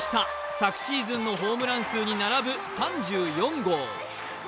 昨シーズンのホームラン数に並ぶ３４号。